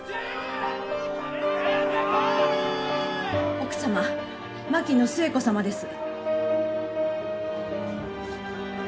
・奥様槙野寿恵子様です。